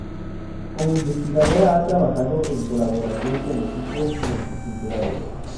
Como investigadora, ha trabajado en colaboración con equipos multiculturales.